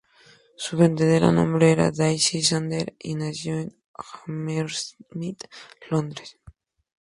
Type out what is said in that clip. Su verdadero nombre era Daisy Sander, y nació en Hammersmith, Londres.